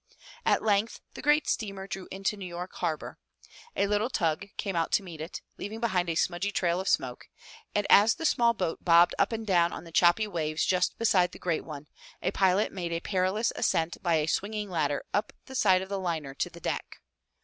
At length the great steamer drew into New York Harbor. A little tug came out to meet it, leaving behind a smudgy trail of smoke, and as the small boat bobbed up and down on the choppy waves just beside the great one, a pilot made a perilous ascent by a swinging ladder up the side of the liner to the deck.